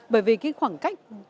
bởi vì cái khoảng cách